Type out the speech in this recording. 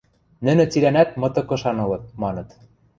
Нӹнӹ цилӓнӓт мытык ышан ылыт, маныт.